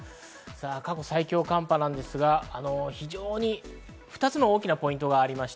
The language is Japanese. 過去最強寒波なんですが、非常に２つの大きなポイントがあります。